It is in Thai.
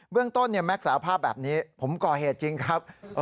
เรื่องต้นแม็กซสารภาพแบบนี้ผมก่อเหตุจริงครับ